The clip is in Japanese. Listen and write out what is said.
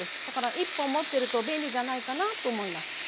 だから１本持ってると便利じゃないかなと思います。